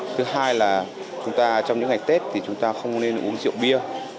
thứ hai là trong những ngày tết thì chúng ta không nên uống rượu bia